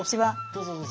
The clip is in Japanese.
どうぞどうぞ。